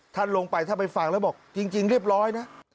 ท่านลงไปถ้าไปฟังแล้วบอกจริงเรียบร้อยนะ